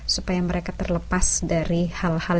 supaya mereka terlepas dari hal hal